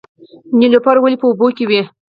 نیلوفر ولې په اوبو کې وي؟